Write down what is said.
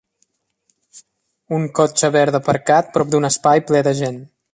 Un cotxe verd aparcat prop d'un espai ple de gent.